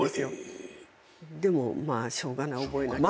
でもしょうがない覚えなきゃ。